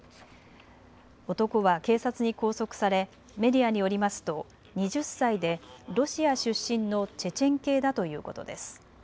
男は警察に拘束されメディアによりますと２０歳でロシア出身のチェチェン系だということです。